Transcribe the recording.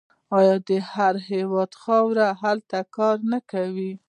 آیا د هر هیواد خلک هلته کار نه کوي؟